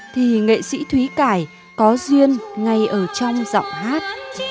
thì nghệ sĩ thúy cải có duyên ngay ở trong giọng hát